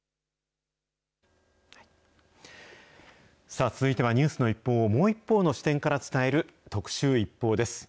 さあ、続いてはニュースの一報をもう一方の視点から伝える特集、ＩＰＰＯＵです。